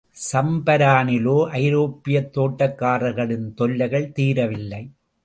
சம்பரானிலோ, ஐரோப்பியத் தோட்டக்காரர்களின் தொல்லைகள் தீரவில்லை.